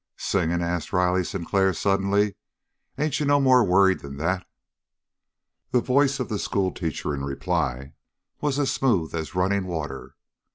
"Singin'?" asked Riley Sinclair suddenly. "Ain't you no more worried than that?" The voice of the schoolteacher in reply was as smooth as running water.